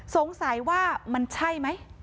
สงสัยว่ามันใช่ไหม